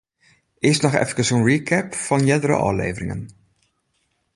Earst noch efkes in recap fan eardere ôfleveringen.